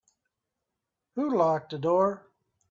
Who locked the door?